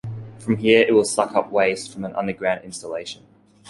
From here it will suck up waste from an underground installation.